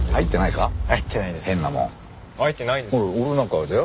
入ってないですよ。